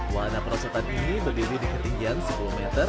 warna perosotan ini berdiri di ketinggian sepuluh meter